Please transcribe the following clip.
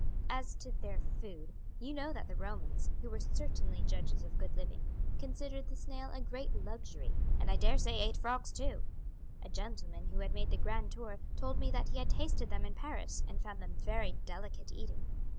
As to their food, you know that the Romans, who were certainly judges of good living, considered the snail a great luxury, and I dare say ate frogs too. A gentleman who had made the grand tour told me that he had tasted them in Paris and found them very delicate eating.